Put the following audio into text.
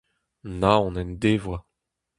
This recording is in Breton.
Naon en devoa.